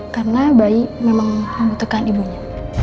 karena bayi memang membutuhkan ibunya